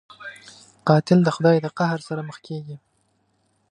قاتل د خدای د قهر سره مخ کېږي